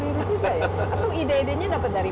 guru juga ya atau ide idenya dapat dari